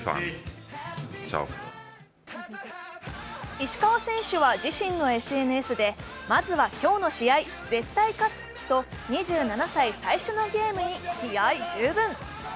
石川選手は自身のＳＮＳで、まずは今日の試合、絶対勝つと２７歳最初のゲームに気合い十分。